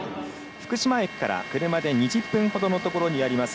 福島駅から車で２０分ほどのところにあります